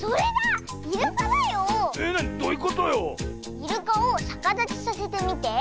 イルカをさかだちさせてみて。